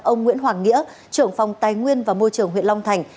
ông nguyễn hoàng nghĩa trưởng phòng tài nguyên và môi trường huyện long thành